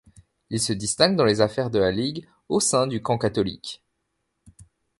Il se distingue dans les affaires de la Ligue au sein du camp catholique.